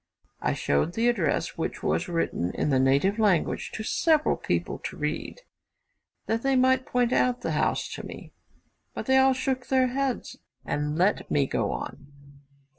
I showed the address, which was written in the native language, to several people to read, that they might point out the house to me; but they all shook their heads, and let me go on.